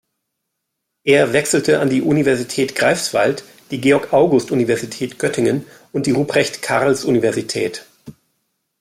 Er wechselte an die Universität Greifswald, die Georg-August-Universität Göttingen und die Ruprecht-Karls-Universität.